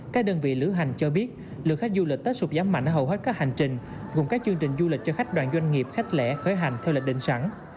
các đơn vị lữ hành cho biết lượng khách du lịch tết sụp giảm mạnh ở hầu hết các hành trình gồm các chương trình du lịch cho khách đoàn doanh nghiệp khách lẻ khởi hành theo lịch định sẵn